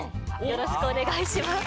よろしくお願いします